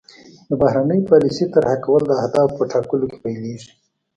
د بهرنۍ پالیسۍ طرح کول د اهدافو په ټاکلو پیلیږي